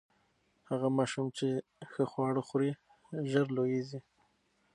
هغه ماشوم چې ښه خواړه خوري، ژر لوییږي.